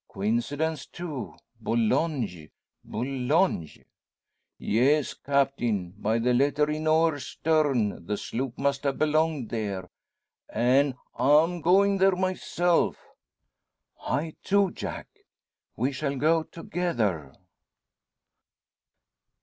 Coincidence too! Boulogne Boulogne!" "Yes, Captain; by the letterin' on her starn the sloop must ha' belonged there; an' I'm goin' there myself." "I too, Jack! We shall go together!"